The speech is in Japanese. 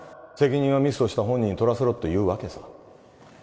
「責任はミスをした本人に取らせろ」って言うわけさ